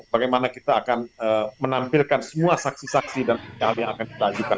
bagaimana kita akan menampilkan semua saksi saksi dan hal yang akan kita ajukan